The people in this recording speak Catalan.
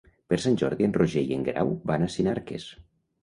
Per Sant Jordi en Roger i en Guerau van a Sinarques.